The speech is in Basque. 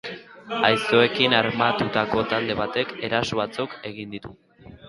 Aiztoekin armatutako talde batek eraso batzuk egin ditu.